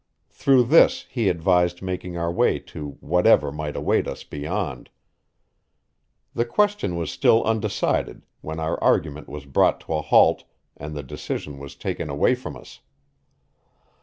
Through this he advised making our way to whatever might await us beyond. The question was still undecided when our argument was brought to a halt and the decision was taken away from us.